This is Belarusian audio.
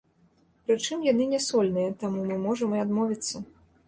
Прычым яны не сольныя, таму мы можам і адмовіцца.